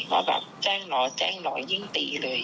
ว่าแบบแจ้งหลอแจ้งหลอยิ่งตีเลย